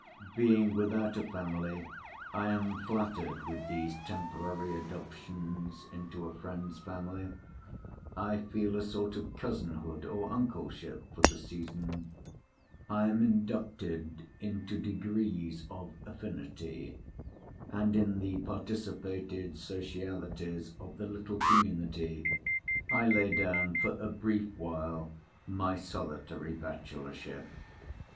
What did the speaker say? Being without a family, I am flattered with these temporary adoptions into a friend's family; I feel a sort of cousinhood, or uncleship, for the season; I am inducted into degrees of affinity; and, in the participated socialities of the little community, I lay down for a brief while my solitary bachelorship.